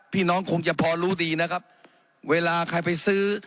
คงจะพอรู้ดีนะครับเวลาใครไปซื้อ